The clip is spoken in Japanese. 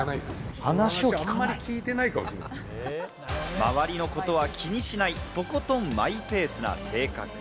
周りのことは気にしない、とことんマイペースな性格。